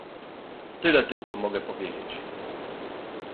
"Tyle tylko mogę powiedzieć."